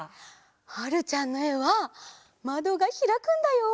はるちゃんのえはまどがひらくんだよ！